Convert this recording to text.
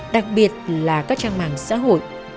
đặc biệt là các trang mạng xã hội